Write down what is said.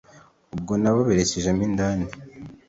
ubwo nabo berekejemo indani